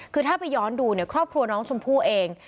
คือถ้าไปย้อนดูเนี่ยครอบครัวน้องชมพู่เอง